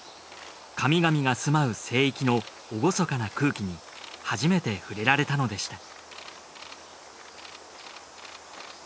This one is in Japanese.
神々が住まう聖域の厳かな空気に初めて触れられたのでした